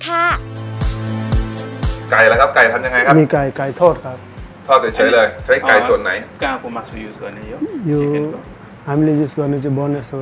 ไก่ละครับไก่ทำยังไงครับไก่ทอดครับ